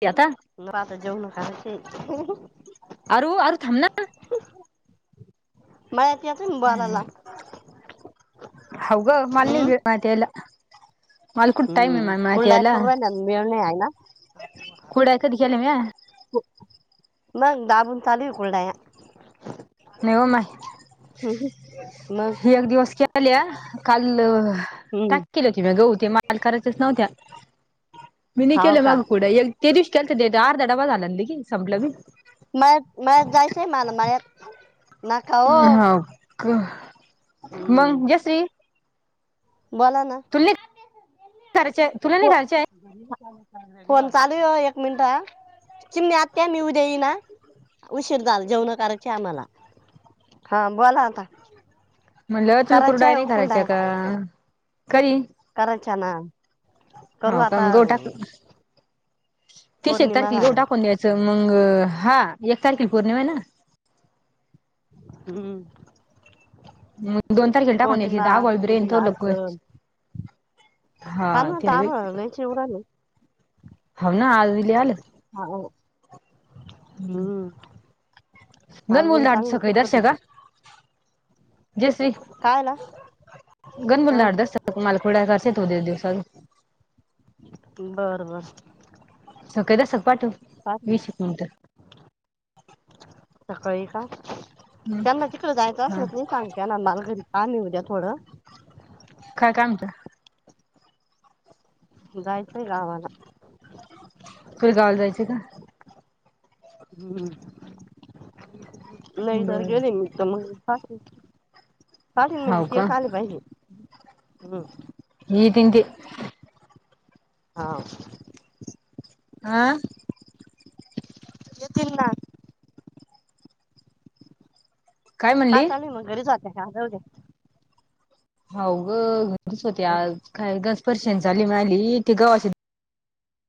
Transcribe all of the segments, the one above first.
येता? नको आता जेवून करायचेयंत अरू अरू थांब ना [unintelligible] मळ्यात येतो ना बोलायला हाव गं मला नायी बाई पाठीवलं. हुं कुरड्या करूयात मेळ नायी हायनां? खुरड्या कधी केल्या म्या? मग दाबून चालीव कुरड्याहा नाय ओ माय मग एक दिवस केल्या काल हम्म टाकलेल्या गं गहूं ते मला करायच्याच नव्हत्या मी नायी हाव केल्या का माग पुुढं एक ते दिवशी केलत्या ते तर अर्धा डब्बा झाला लगीच संपल्या बी. मळ्यात मळ्यात जायचयं माला मळ्यात. नका हो हाव गं हम्म मंग जशी बोला ना! माझा अभ्यासच करायचंय तुला घेतला नाही करायचंय हों, फोन चालूयं ओ एक मिनिट हां चिमणी आत्या मी उद्या येईन हां. उशीर झाल जेवणं करायची आम्हाला हां बोला आता. म्हणलं तुला करायचे कुरडया आहे हो नायी करायच्या कुरडाया का? कधी? करायच्या नां. हाव का? मग गहू टाक ते पौर्णिमा शेतारखी गहू झाल्यावर टाकून द्यायचं. च मंग हां एक तारखेला पौर्णिमायं नां? हुं. मं दोन तारखेला टाकून द्यायचं पौर्णिमा इथं आभाळ बी उद्या येरन नाग लवकरचं काल अन आता आभाळ लयीच येऊन राहिले. होव नां आज बी लय आलं. हाव हुं. [inaudible] जैसी, काय ला गनबुल हा लाट दस माल खोड करसे, तो दे दिवसा बरं बरं. सकळी दस्तक पाठव, वीस एक नंतर. सकाळी का? त्यांना तिकडं जायचं हा असलं तर नयी सांगत. त्यांना नाल घरी पाणी होऊ द्या थोडं. काय काम होत? जायचयं गावाला. फिर गावाला जायचयं का? हुं लयी घरी बरं गेलीनं मी तर मग पाठ-पाठीण म्हणजे हाव का तेच आले पाहिजे. येतीन ते. हा. आ येतील ना. काय हा म्हणली चालले मंग घरी जाते, आज राहू दे. हाव गं, घरचीच होते घरी. आज काय घ स्पर्शाने झाली मिळाली की गवाशी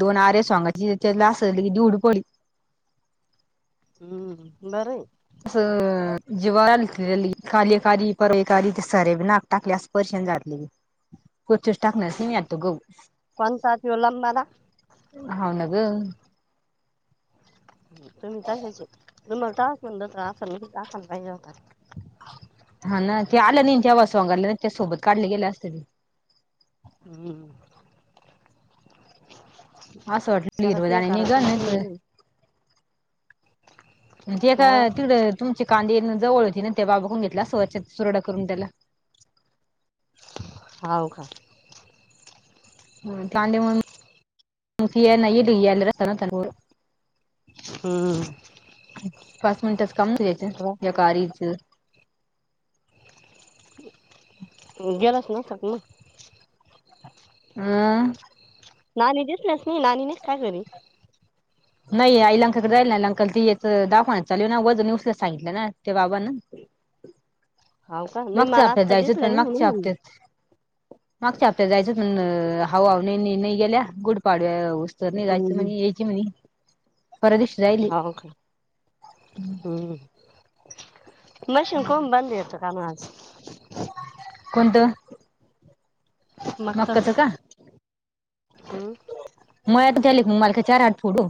दोन आरे सोंगाची त्यानला असली [unintelligible] हम्म, बरं ये. असं जिवावर आलतेली, काल एक आली परवा एक आली ते सारे बी नाक टाकले असं परशन जातली [unintelligible] कोणता त्यो [unintelligible] हाव ना ग तुम्ही तशाचे तुम्हाला टाक म्हणलं तर असं लगेच टाकायला पाहिजे होतं. हा ना ते आलं नाही जेव्हा [unintelligible] त्या सोबत काढले गेले असत ते. [inaudible] असं वाटलं चला हिरव ते दाणे करायचं निघल [unintelligible] जे हा काय तिकडं तुमचे कांदे इथनं जवळ होती ना तेव्हा बघून घेतला स्वच्छ सुरडा करून त्याला. हाव का [unintelligible] हम्म पाच मिनिटाचं काम द्यायचं, या कारीचं. गेलास ना आता मंग. हम्म नानी दिसल्यास नाही, नाणी नाहीत काय घरी? नाही आई लंकाकडे जाईल ना लंकाला ती याचं दवाखान्यात चालू आहेना. वजन नाही उचलायला सांगितलं ना ते बाबान. हाव का नाही मागच्या मला हपत्यात आत्ता जायचं दिसल्या होतं, नाही म्हणून मागच्या म्हणलं हपत्यात. मागच्या हपत्यात, जायचं पण अ हाव हाव नाही नाही नाही गेल्या. गुडपाडव्या जर निघायचं हम्म म्हणी, यायची म्हणी परदिश हाव का हम्म. मशीन कावून बंद आहे का म आज. कोणतं. बाप्पाचा मक्काच का? हम्म मळ्यात ग्याली, मला काय चार आठ फोडू.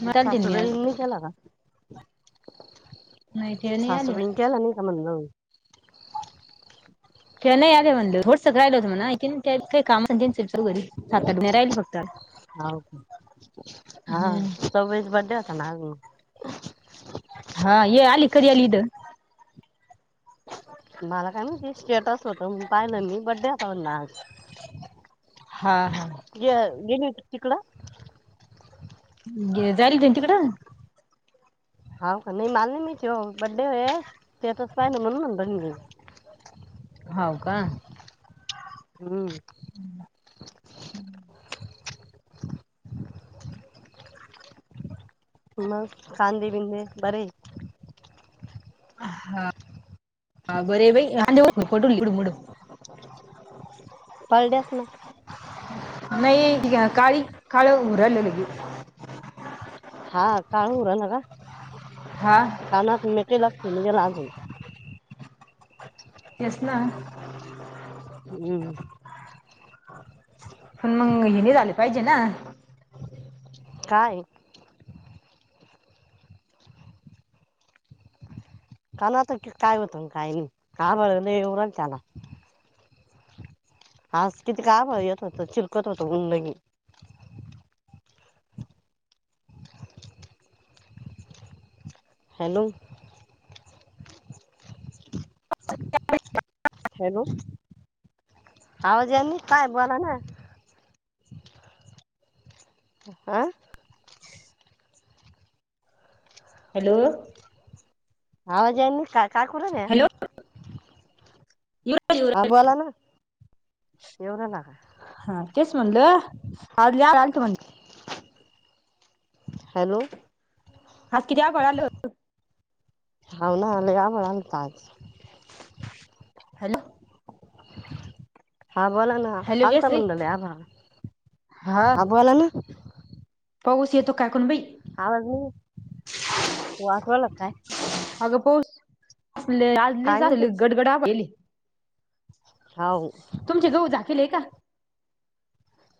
मग चालते मी आज सासूबाईंनी केला का? नाही ते नाही आले सासूबाईंनी केला नाही का म्हणलं? त्या नाही आल्या म्हणलं, थोडसं राहिलं होतं म्हना [unintelligible] सात-आठ महीने राहीली फक्त. हाव, हा हम्म सव्याचा बर्डे होता ना आज मग. हा ये आलिकडं ये इथं. मला काय माहिती स्टेटस होत मग पाहिलं मी बड्डे होता म्हणलं आज. हा हा गे-गेली होती तिकडं. गे जाईली त्यांच्याकड. हाव का, नाही मला नाही माहिती ओ बड्डे हे स्टेटस पाहिल म्हणून म्हणल मी. हाव का हम्म. [inaudible] मग कांदे बिंदे बरे ए? हा बरे ए बाई आले [unintelligible] पंलड्यास ना नाही काळी काळ होऊ राहील लगीच. हा काळ होऊ राहील का? हां. कानात मेटेला [unintelligible] तेच ना. हम्. पण मग हे नी झाले पाहिजे ना. काय? कानू आता काय होतन काय नाय काम नाय येऊ राहिली त्याला. आज किती काय आभाळ येत होत चिरखत होत उन लगी. हॅलो. [unintelligible] हॅलो, आवाज याला नाई काय बोला ना. आ? [inaudible] हॅलो. आवाज यांना नाय काय करूल्या? हॅलो हा बोला ना येऊ राहिला का [unintelligible] हा तेस म्हणल आज लय आलंत म्हणी. हॅलो. आज किती आभाळ आलं हाव ना लय आभाळ आलत आज. हॅलो. हा बोला ना हॅलो आलता जयश्री म्हणल लय आभाळ हा बोला ना. पाऊस येतो काय कून बाई. आवाज नाय, वाजवाला काय? अगं पाऊस आज काय लयच नाही ते गडगड आभाळ येईले. हाव. तुमचे घऊ झाकीले का?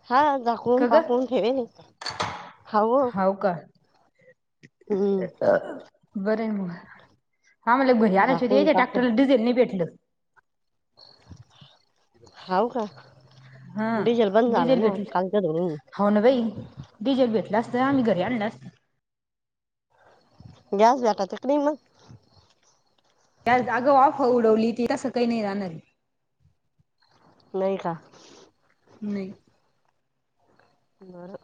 हा झाकून का ग पाकून ठेवेल खाव हाऊ का, बर आय मग आम्हला पण घ री - आणायचे होते झाकून त्या टॅक्टर पाकून ला डिझेल नाय भेटलं. हाव का हा डिझेल बंद झालं डिझेल ना भेटलं कालच्या धरून. हाव ना बाई डिजेल भेटल असतं आम्ही घरी आणलं असत. गॅस भेटता का नाय मगं? अगं अफवा उडवली तसं काय नाय राहणार. नाई का? नई. बर,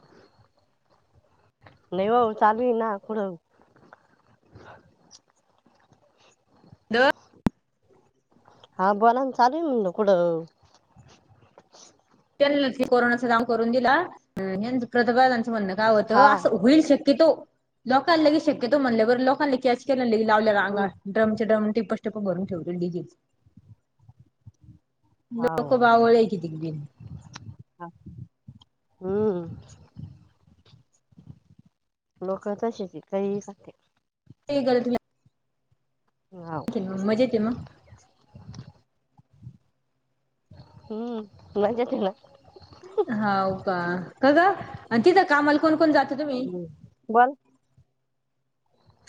नाय ओ चालू ए ना पुढ. द [inaudible] हा बोला ना चालू हाय म्हणल कुठं त्यांलाच की कोरोनाचा काम करून दिला आणि ह्यांच प्रताप दादांंच म्हणण काय होत? हा अस हुईल शक्यतो लोकांना बी शक्यतो म्हणल्यावर लोकांनाबी की अस तेन लई लावल्या रांगा. हम्म ड्रम च्या ड्रम टिप घ्या टीप भरून ठेवलेत डिगीत. हाव लोक बावळीये कीतीग बीन हा हम्म! लोक तशीच ये काहीहि सांगित्यात [unintelligible] हा मजे ते मग? हम्म मजेते ना. हाऊ का काग आणि तिथ कामाल कोण कोण जात तुम्ही? हम्म. बोल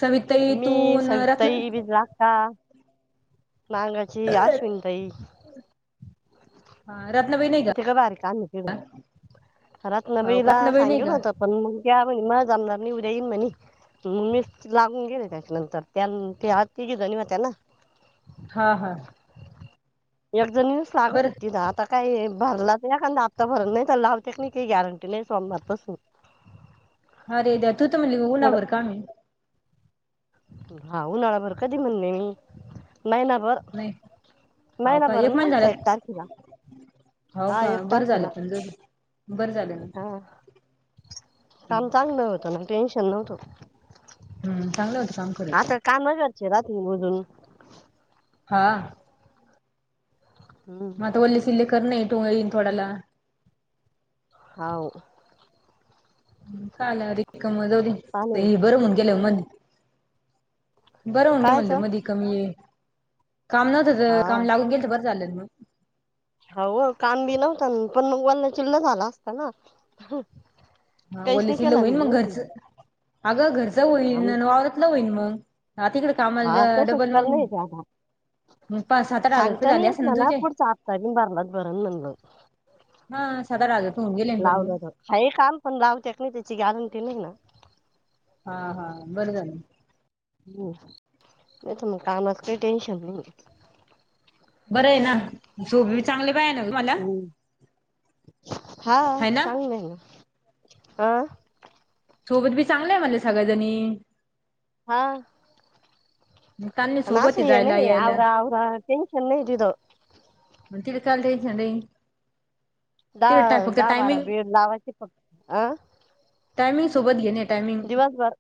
सविताई मी तू न रत्न सविताताई विजुआक्का मांगाची अश्विनीताई. ह रत्नबाई नाय. कितीक भारी काम आहे तिड हो का? रत्‍नाबाईला रत्नाबाई नाही सांगितल का होत पण मग त्या म्हणे मला जमनार नायी उद्या इन म्हणी. म मीच लागून गेले त्याच्यानंतर त्या त्या तिघी जणी होत्या ना. हा हा! एक जणीनच लागत बरं होती तिड आता काय भरला तर एखांदा हप्ता भरल नाही तर लावते क नाही काही गॅरंटी नाही सोमवारपासून. अरे देवा तू तो म्हणली ऊनावर थोडं कामये? हा उन्हाळा भर कधी म्हणले मी? महिना भर नाही. हौवकाय एक महिन झालेत हौ हा का एक बर झाल तारखेला पण जाऊदेत. बर झाल. हा काम चांगल होत ना टेन्शन नव्हत. हम्म चांगलं होतं काम करायला आता काम घरचे रातिल बुजून हा! हम्म मग आता वल्लेसिल्ले कर नाही टो येईन थोड्याला. हाव. काला रिकाम जाऊदे. ते पाणी बर हुन गेल्याव म बर हुन घे कायच म्हणल मधी कमी ये. काम नव्हत तर हा काम लागून गेल तर बर झाल मग हाव काम बी नव्हत पण मग वल्ला चिल्ल झाला असता ना? हा काहीच नाही वल्लचिल्ल केलं मी हुईल मग माहिती घरच. अग घरच का हुईल आम नं वावराच वल्ल हुईल मग. हा तिकड हा कामाच्या तसंच डबल करणं येते आता मग पाच सहा च सांगता नाही येत म्हणा ना पुढचा हप्ता आजुन भरला. भरल नंतर सात आठ हजार रुपये राग आहे होऊन गेले पण मग हाये काम पण लावत्या का नाही त्याची गॅरंटी नायी ना. हा हा बरं झाल. हम्म नाही तर मग कामाच काही टेन्शन नाहीये. बर आहे ना झोपेत चांगली बाई हाय हम्म हा हाव हाय ना चांगलये ना आ सोबत बी चांगल्याये म्हणल सगळ्याजणी. हा! काल नाही सोबत आस आहे हे जायला नाई यायला आवरा आवरा टेनशन नाही तिथ. मग तिले कायले टेन्शन देईन? दहा, दहा बारा टायमिंग बीळ लावाची का? अं टामिंग सोबत घेणे. टायमिंग दिवसभर.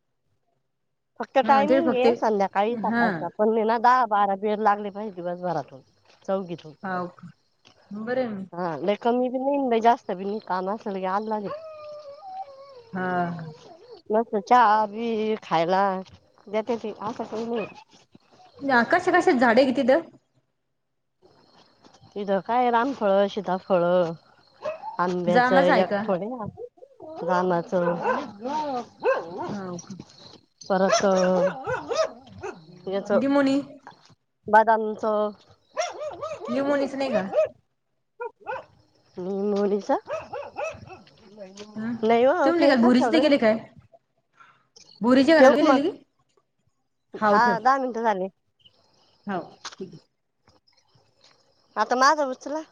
[inaudible] फक्त हा ते टायमिंग फक्त आहे संध्याकाळी, हा सकाळचा पहिले ना दहा बारा बीड लागले पाहिजे दिवसभरातून. चौघीतून हाव, [inaudible] बरं आहे मग. हा. लई कमी बी नाही लई जास्त बी काम नाही. काम असलं यावचं लागेल. हा. लोक चहा बी खायला देत्या ते असं काही नाही. या कशा कशाचे झाडे आहे ग तीथं? तिथ काय रामफळ सिताफळ? आंब्याचं जामाच आहे एक का फळ [inaudible] रामाचं हाव का. परत [inaudible] याच लिमोनी [inaudible] बदामचं. निमोनिच नाही का? निमोनीच ह [inaudible] नाहीव तुम्ही ते काय कशाला राहील? बोरीच्या का मग [unintelligible] हा दहा मिनटं झाले. हो [inaudible] ठीक आहे. आता माझ उचला.